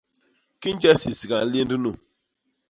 Kinje sisiga nlénd nu!